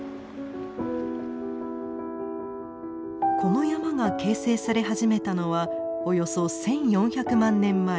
この山が形成され始めたのはおよそ１，４００万年前。